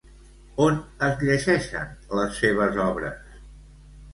On es llegeixen les seves obres?